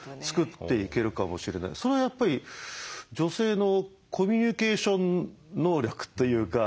それはやっぱり女性のコミュニケーション能力というか。